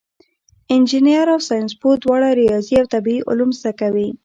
انجینر او ساینسپوه دواړه ریاضي او طبیعي علوم زده کوي.